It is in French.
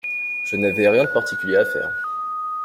Je n’avais rien de particulier à faire.